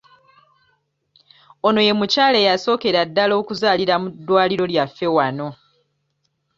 Ono ye mukyala eyasookera ddala okuzaalira mu ddwaliro lyaffe wano.